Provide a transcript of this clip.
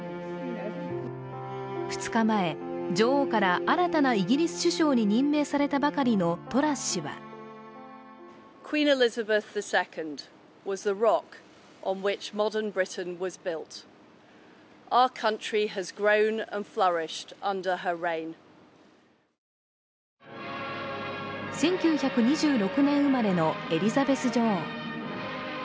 ２日前、女王から新たなイギリス首相に任命されたばかりのトラス氏は１９２６年生まれのエリザベス女王。